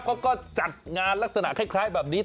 เขาก็จัดงานลักษณะคล้ายแบบนี้